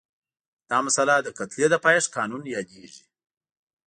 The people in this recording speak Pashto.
دا مسئله د کتلې د پایښت قانون یادیږي.